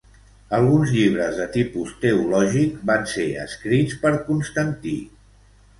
Alguns llibres de tipus teològic van ser escrits per Constantí.